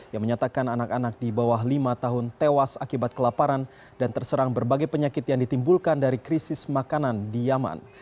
yang menyatakan anak anak di bawah lima tahun tewas akibat kelaparan dan terserang berbagai penyakit yang ditimbulkan dari krisis makanan di yaman